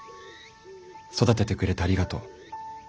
育ててくれてありがとう。